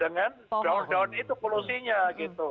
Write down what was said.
dengan daun daun itu polusinya gitu